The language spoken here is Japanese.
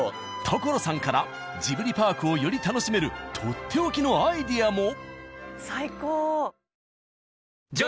所さんからジブリパークをより楽しめる取って置きのアイデアも！？